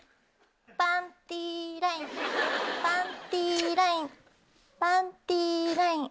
パンティーラインパンティーラインパンティーライン。